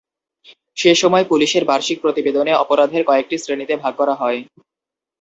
সে সময় পুলিশের বার্ষিক প্রতিবেদনে অপরাধের কয়েকটি শ্রেণিতে ভাগ করা হয়।